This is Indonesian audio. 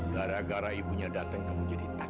gara gara ibunya datang kamu jadi